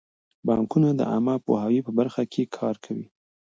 بانکونه د عامه پوهاوي په برخه کې کار کوي.